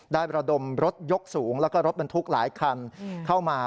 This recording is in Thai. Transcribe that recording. ระดมรถยกสูงแล้วก็รถบรรทุกหลายคันเข้ามา